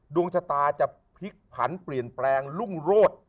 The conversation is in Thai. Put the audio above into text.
ดวงชะตาจะพลิกผันเปลี่ยนแปลงรุ่งโรธ